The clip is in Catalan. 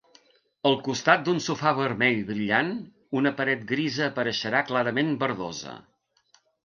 Al costat d'un sofà vermell brillant, una paret grisa apareixerà clarament verdosa.